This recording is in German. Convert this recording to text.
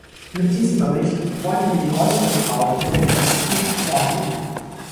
Mit diesem Bericht wollten wir die Rolle der Frauen in der Industrie hervorheben.